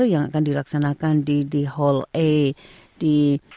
yang akan dilaksanakan di hall a di